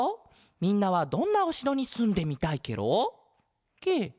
みんなはどんなおしろにすんでみたいケロ？ケ？